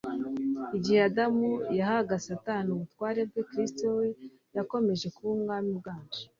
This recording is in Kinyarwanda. Igihe Adamu yahaga Satani ubutware bwe, Kristo we yakomeje kuba Umwami uganje.